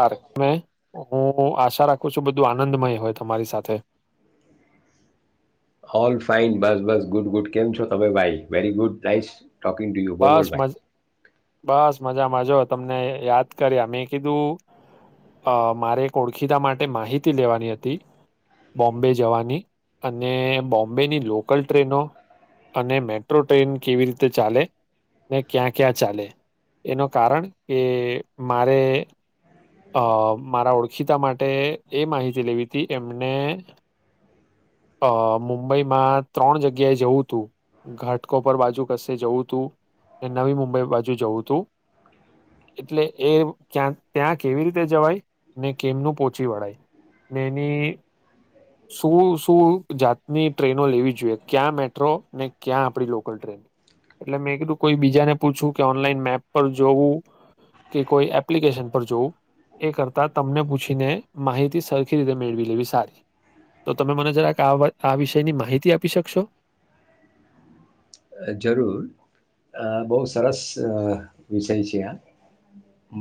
R હું આશા રાખું છું બધું આનંદમય હોય તમારી સાથે ફાઈન બસ બસ ગુડ ગુડ કેમ છો તમે ભાઈ વેરી ગુડ નાઈસ બસ મજ બસ મજામાં જા તમને યાદ કર્યા મેં કીધું મારે ઓળખીતા માટે માહિતી લેવાની હતી બોમ્બે જવાની અને બોમ્બેની લોકલ ટ્રેનો અને મેટ્રો ટ્રેન કેવી રીતે ચાલે ને ક્યાં ક્યાં ચાલે એનું કારણ કે મારે અ મારા ઓળખીતા માટે એ માહિતી લેવી હતી એમને અ મુંબઈમાં ત્રણ જગ્યાએ જવું તું ઘાટકોપર બાજુ કશે જવું તું નવી મુંબઈ બાજુ જવું તું એટલે એ ક્યાં ત્યાં કેવી રીતે જવાય ને કેમનું પોહચી વળાય ને એની શું શું જાતની ટ્રેનો લેવી જોઈએ ક્યાં મેટ્રો ને ક્યાં આપણી લોકલ ટ્રેન એટલે મેં કીધું કોઈ બીજાને પૂછું કે ઓનલાઈન મેપ પર જોવું કે કોઈ એપ્લિકેશન પર જોવું એ કરતા તમને પૂછીને માહિતી સરખી રીતે મેળવી લેવી સારી તો તમે મને જરાક આવ આ વિષયની માહિતી આપી શકશો જરૂર બહુ સરસ વિષય છે આ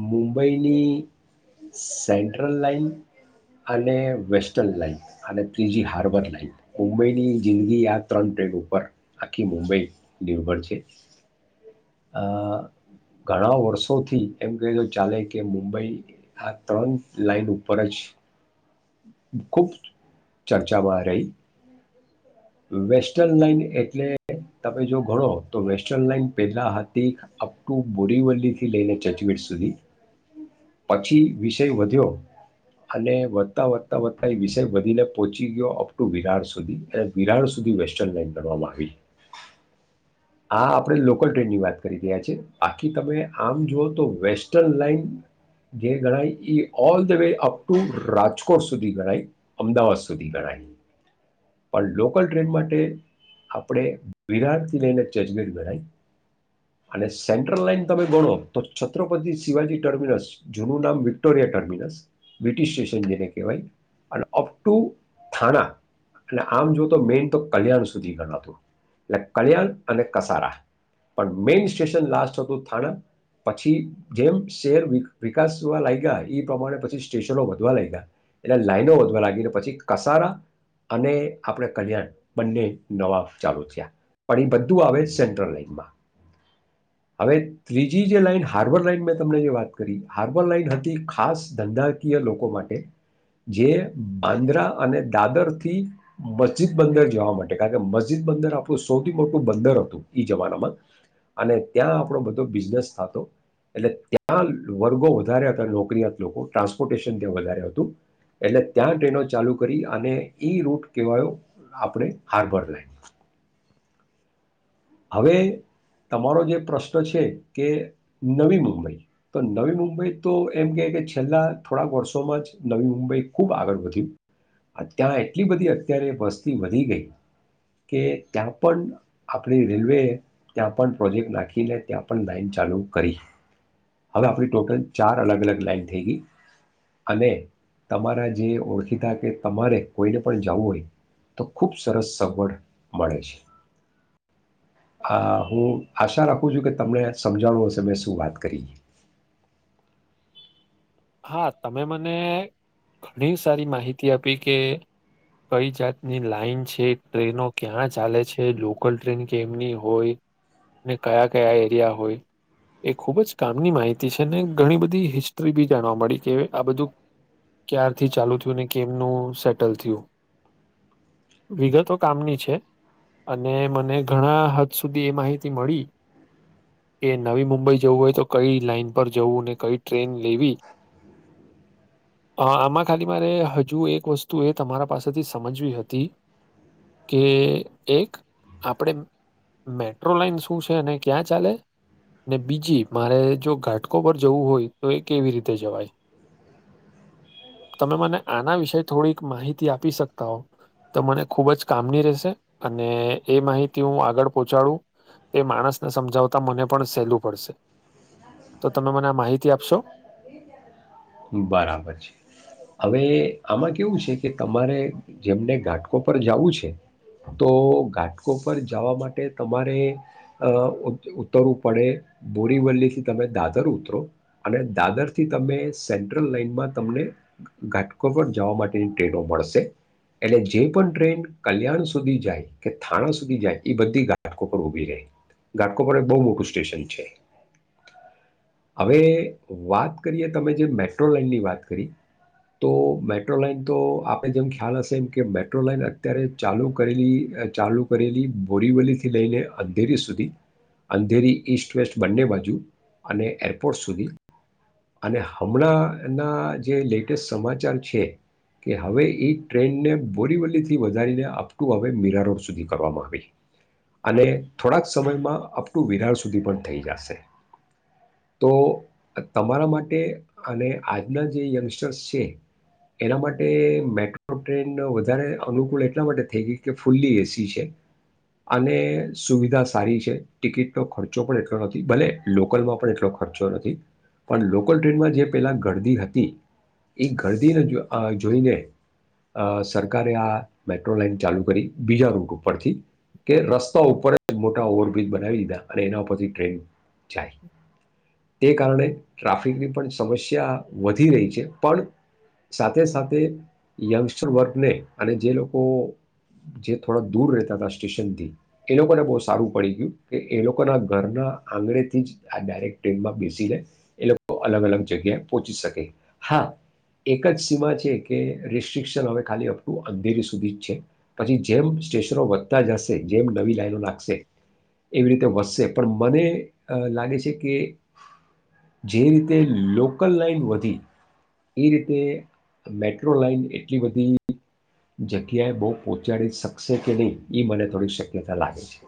મુંબઈની સેન્ટ્રલ લાાઈન અને વેસ્ટન લાઈન અને ત્રીજી હાર્બર લાઈન મુંબઈની જિંદગી આ ત્રણ ટ્રેન ઉપર આખી મુંબઈ નિર્ભર છે અ આ ઘણા વર્ષોથી એમ કહેજ ચાલે કે મુંબઈ આ ત્રણ લાઈન ઉપર જ ખુબ ચર્ચામાં રહી વેસ્ટન લાઈન એટલે તમે જો ઘણો તો વેસ્ટર્ન લાઈન પેલા હતી અપ ટુ બોરીવલ્લી થી લઈને ચર્ચવીટ સુધી પછી વિષય વધ્યો અને વધતા વધતા વધતા એ વિષય વધીને પહોંચી ગયો અપ ટુ વિરાર સુધી. સુધી વેસ્ટન લાઈન ગણવામાં આવી આ આપણે લોકલ ટ્રેનની વાત કરી રહ્યા છે એ બાકી તમે આમ જુઓ તો વેસ્ટર્ન લાઈન જે ગણાય એ all the way up to Rajkot સુધી ગણાય અમદાવાદ સુધી ગણાય પણ લોકલ ટ્રેન માટે આપણે વિરાર થી લઈને ચર્ચવીર ગણાય અને સેન્ટ્રલ લાઈન તમે ગણો તો છત્રપતિ શિવાજી ટર્મિનસ જૂનું નામ વિક્ટોરિયા ટર્મિનસ વિટી સ્ટેશન જેને કહેવાય અને અપ ટુ થાણા અને આમ જો તો મેઈન તો કલ્યાણ સુધી ગણાતું એટલે કલ્યાણ અને કસારા પણ મેઈન સ્ટેશન લાસ્ટ હતું થાણા પછી જેમ શહેર વિકાસવા લાગ ગયા એ પ્રમાણે પછી સ્ટેશનો વધવા લાગ ગયા એટલે લાઈનો વધવા લાગી ને પછી કસારા અને આપણે કલ્યાણ બંને નવા ચાલુ થયા પણ એ બધું આવે સેન્ટ્રલ લાઈનમાં હવે ત્રીજી જે લાઈન હાર્બર લાઈન મેં તમને જે વાત કરી હાર્બર લાઈન હતી ખાસ ધંધાકીય લોકો માટે જે બાંદ્રા અને દાદર થી મસ્જિદ બંદર જવા માટે કારણ કે મસ્જિદ બંદર આપણું સૌથી મોટું બંદર હતું એ જમાનામાં અને ત્યાં આપણો બધો બિઝનેસ થતો એટલે ત્યાં વર્ગો વધારે હતા નોકરીયાત લોકો ટ્રાન્સપોર્ટેશન ત્યાં વધારે હતું એટલે ત્યાં ટ્રેનો ચાલુ કરી અને એ રૂટ કેહેવાયો આપણે હાર્બર લાઈન. હવે તમારો જે પ્રશ્ન છે કે નવી મુંબઈ તો નવી મુંબઈ તો એમ કે કે છેલ્લા થોડાક વર્ષોમાં જ નવી મુંબઈ ખૂબ આગળ વધ્યું ત્યાં એટલી બધી અત્યારે વસ્તી વધી ગઈ કે ત્યાં પણ આ આપણી રેલવેએ ત્યાં પણ પ્રોજેક્ટ નાખીને ત્યાં પણ લાાઈન ચાલુ કરી હવે આપણી ટોટલ ચાર અલગ- અલગ લાાઈન થઈ ગઈ, અને તમારા જે ઓળખીતા કે તમારે કોઈને પણ જવું હોય તો ખૂબ સરસ સગવડ મળે છે. આ હું આશા રાખું છું કે તમને સમજાણું હશે મેં શું વાત કરી હા તમે મને ઘણી સારી માહિતી આપી કે કઈ જાતની લાઈન છે ટ્રેનો ક્યાં ચાલે છે લોકલ ટ્રેન કેમની હોય ને કયા-કયા એરિયા હોય એ ખૂબ જ કામની માહિતી છે ને ઘણી બધી હિસ્ટ્રી બી જાણવા મળી કે આ બધું ક્યારથી ચાલુ થયું અને કેમનું સેટલ થયું વિગતો કામની છે અને મને ઘણા હદ સુધી એ માહિતી મળી કે નવી મુંબઈ જવું હોય તો કઈ લાાઈન પર જવું અને કઈ ટ્રેન લેવી આમાં ખાલી મારે હજુ એક વસ્તુ એ તમારા પાસેથી સમજવી હતી કે એક આપડે મેટ્રો લાઈન શું છે અને ક્યાં ચાલે ને બીજી મારે જો ઘાટકો પર જવું હોય તો એ કેવી રીતે રીતે જવાય, તમે મને આના વિષે થોડીક માહિતી આપી શકતા હો તો મને ખુબ જ કામની રહેશે અને એ માહિતી હું આગળ પહોંચાડું એ માણસને સમજાવતા મને પણ સહેલું પડશે તો તમે મને આ માહિતી આપશો? બરાબર છે હવે આમાં કેવું છે કે તમારે જેમને ઘાટકો પર જવું છે તો ઘાટકો પર જવા માટે તમારે ઉતરવું પડે બોરીવલ્લીથી તમે દાદર ઉતરો અને દાદર થી તમે સેન્ટ્રલ માં તમને ઘાટકોપર જવા માટેની ટ્રેનો મળશે એટલે જે પણ ટ્રેન કલ્યાણ સુધી જાય કે થાણા સુધી જાય એ બધી ઘાટકોપર ઉભી રહે ઘાટકોપર એ બહુ મોટું સ્ટેશન છે હવે વાત કરીએ તમે જે મ મેટ્રો લાઈનની વાત કરી તો મેટ્રો લાઈન તો આપણે જેમ ખ્યાલ હશે એમ કે મેટ્રો લાઈન અત્યારે ચાલુ કરેલી ચાલુ કરેલી બોરીવલીથી લઈને અંધેરી સુધી અંધેરી ઈસ્ટ વેસ્ટ બંને બાજુ અને એરપોર્ટ સુધી અને હમણાં ના જે લેટેસ્ટ સમાચાર છે કે હવે એ ટ્રેનને બોરીવલી થી વધારીને અપ ટુ હવે મિરારોડ સુધી કરવામાં આવી અને થોડાક સમયમાં અપ ટુ વિરાર સુધી પણ થઈ જશે તો તમારા માટે અને આજના જે યંગસ્ટર્સ છે એના માટે મેટ્રો ટ્રેન વધારે અનુકૂળ એટલા માટે થઈ ગઈ કે ફૂલ્લી એસી છે અને સુવિધા સારી છે ટિકિટનો ખર્ચો પણ એટલો નથી ભલે લોકલમાં પણ એટલો ખર્ચો નથી પણ લોકલ ટ્રેનમાં જે પહેલાં ગરદી હતી એ ઘરદીને જો જોઈને અ સરકારે આ મેટ્રો લાઈન ચાલુ કરી બીજા રૂટ ઉપરથી કે રસ્તા ઉપર જ મોટા ઓવરબ્રિજ બનાવી દીધા અને એના ઉપરથી ટ્રેન જાય તે કારણે ટ્રાફિકની પણ સમસ્યા વધી રહી છે પણ સાથે સાથે યંગસ્ટર વર્ગને અને જે લોકો જે થોડા દૂર રહેતા હતા સ્ટેશનથી એ લોકોને બહુ સારું પડી ગયું કે એ લોકોના ઘરના આંગણેેથી જ આ ડાયરેક્ટ ટ્રેનમાં બેસી લે એ લોકો અલગ-અલગ જગ્યાએ પહોંચી શકે હા એક જ સીમા છે કે રેસ્ટ્રિકશન હવે ખાલી અપ ટુ અંધેરી સુધી જ છે પછી જેમ સ્ટેશનો વધતા જશે જેમ નવી લાઈનો લાગશે એવી રીતે વધશે પણ મને લાગે છે કે જે રીતે લોકલ લાઈન વધી એ રીતે મેટ્રો લાઈન એટલી બધી જગ્યાએ બહુ પહોંચાડી શકશે કે નહીં એ મને થોડી શક્યતા લાગે છે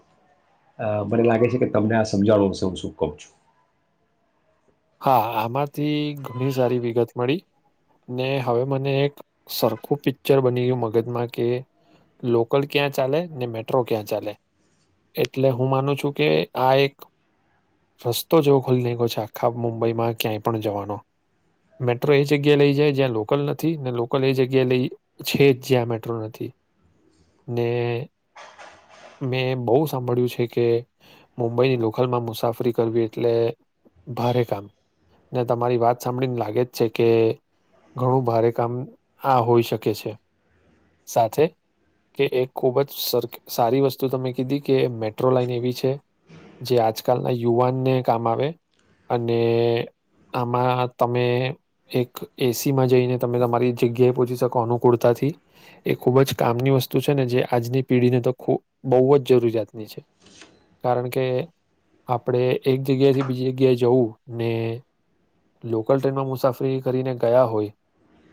અ મને લાગે છે કે તમને આ સમજાવા વિશે હું શું કહું છું. હા આમાંથી ઘણી સારી વિગત મળી ને હવે મને એક સરખું પિક્ચર બની ગયું મગજમાં કે લોકલ ક્યાં ચાલે ને મેટ્રો ક્યાં ચાલે એટલે હું માનું છું કે આ એક રસ્તો જેવો ખોલી ના ગયો છે. ખાબ મુંબઈમાં ક્યાંય પણ જવાનો મેટ્રો એ જગ્યા લઈ જાય જ્યાં લોકલ નથી ને લોકલ એ જગ્યા લઈ છે જ જ્યાં મેટ્રો નથી ને મેં બહુ સાંભળ્યું છે કે મુંબઈની લોકલમાં મુસાફરી કરવી એટલે ભારે કામ ને તમારી વાત સાંભળીને લાગે જ છે કે ઘણું ભારે કામ આ હોઈ શકે છે સાથે કે એક ખુબ જ સરખી સારી વસ્તુ તમે કીધી કે મેટ્રો લાાઈન એવી છે જે આજકાલના યુવાનને કામ આવે અને આમાં તમે એક એસીમાં જઈને તમે તમારી જગ્યાએ પહોંચી શકો અનુકૂળતાથી એ ખૂબ જ કામની વસ્તુ છે ને જે આજની પેઢીને તો બહુ જ જરૂરિયાતની છે કારણ કે આપણે એક જગ્યાથી બીજી જગ્યાએ જવું ને લોકલ ટ્રેનમાં મુસાફરી કરીને ગયા હોય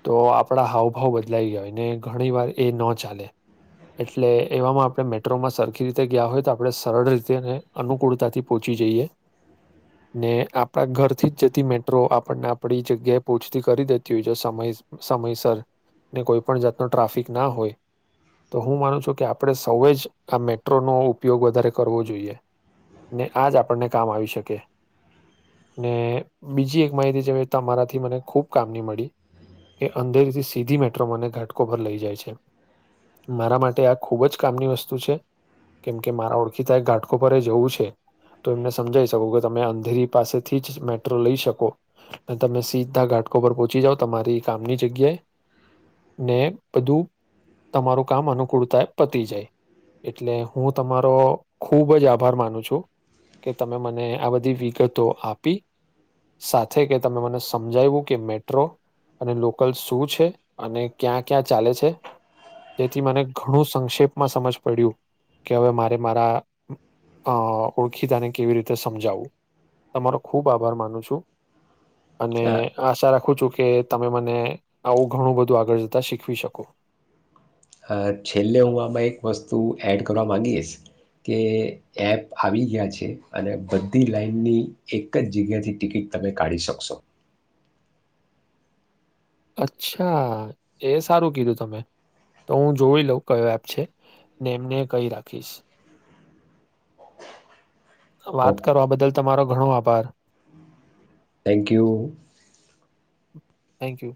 તો આપણા હાવભાવ બદલાઈ ગયા હોય ને ઘણી વાર એ ન ચાલે એટલે એવામાં આપણે મેટ્રોમાં સરખી રીતે ગયા હોય તો આપણે સરળ રીતે અને અનુકૂળતાથી પહોંચી જઈએ ને આપણા ઘરથી જ જતી મેટ્રો આપણને આપણી જગ્યાએ પહોંચતી કરી દેતી હોય જો સમય સમયસર ને કોઈ પણણ જાતનો ટ્રાફિક ના હોય તો હું માનું છું કે આપણે સૌ જ આ મેટ્રોનો ઉપયોગ વધારે કરવો જોઈએ ને આ જ આપણને કામ આવી શકે ને બીજી એક માહિતી જે તમારાથી મને ખૂબ કામની મળી કે અંધેરીથી સીધી મેટ્રો મને ઘાટકો પર લઈ જાય છે મારા માટે આ ખૂબ જ કામની વસ્તુ છે કેમ કે મારા ઓળખીતા એક ઘાટકો પર જવું છે તો એમને સમજાઈ શકો કે તમે અંધેરી પાસેથી જ મેટ્રો લઈ શકો અને તમે સીધા ઘાટકો પર પહોંચી જાવ તમારી કામની જગ્યાએ ને બધું તમારું કામ અનુકૂળ થાય પતી જાય એટલે હું તમારો ખૂબ જ આભાર માનું છું કે તમે મને આ બધી વિગતો આપી સાથે કે તમે મને સમજાવું કે મેટ્રો અને લોકલ શું છે અને ક્યાં ક્યાં ચાલે છે જેથી મને ઘણું સંક્ષેપમાં સમજ પડ્યું કે હવે મારે મારા અ ઓળખીતાને કેવી રીતે સમજાવવું તમારો ખૂબ આભાર માનું છું. અને અ આશા રાખું છું કે તમે મને આવું ઘણું બધું આગળ જતા શીખવી શકો. અ છેલ્લે હું આમાં એક વસ્તુ એડ કરવા માંગીશ કે એપ આવી ગયા છે અને બધી લાઈનની એક જ જગ્યાથી ટિકિટ તમે કાઢી શકશો. અચ્છા એ સારું કીધું તમે તો હું જોઈ લઉ કયો એપ છે ને એમને કહી રાખીશ. વાત ઓકે કરવા બદલ તમારો ઘણો આભાર. Thank you. Thank you.